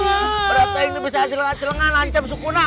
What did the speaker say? beratnya itu bisa jelang jelang ancam sukuna